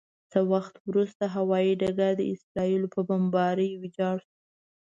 څه وخت وروسته هوايي ډګر د اسرائیلو په بمبارۍ ویجاړ شو.